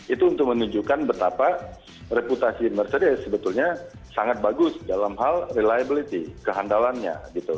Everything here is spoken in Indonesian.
itu untuk menunjukkan betapa reputasi merceria sebetulnya sangat bagus dalam hal reliability kehandalannya